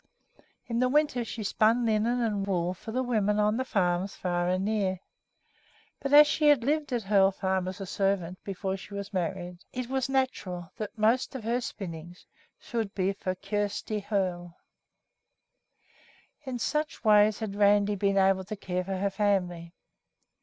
In the winter she spun linen and wool for the women on the farms far and near, but as she had lived at Hoel Farm as a servant before she was married, it was natural that most of her spinning should be for Kjersti Hoel. Kyare' stee. In such ways had Randi been able to care for her family.